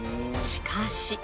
しかし。